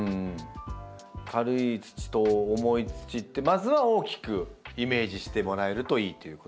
軽い土と重い土ってまずは大きくイメージしてもらえるといいっていうこと。